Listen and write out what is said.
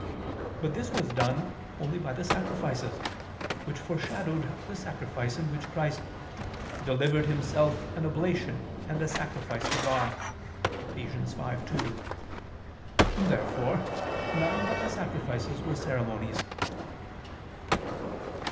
But this was done only by the sacrifices, which foreshadowed the sacrifice in which Christ "delivered Himself an oblation and a sacrifice to God" (Eph. 5:2). Therefore none but the sacrifices were ceremonies.